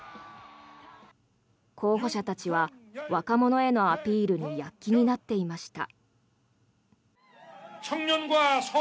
候補者たちは若者へのアピールに躍起になっていました。